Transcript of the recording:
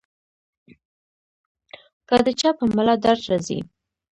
کۀ د چا پۀ ملا درد راځي -